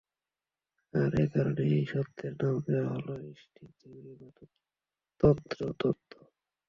আর এ কারণেই এই তত্ত্বের নাম দেওয়া হলো স্ট্রিং থিওরি বা তন্তু তত্ত্ব।